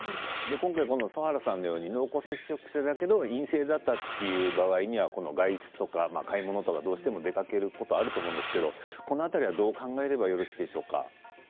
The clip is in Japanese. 今回の曽原さんのように濃厚接触者だけれども陰性だった場合は外出とか買い物とかどうしても出かけることがあると思うんですけれどもこの辺りはどう考えればよろしいでしょうか。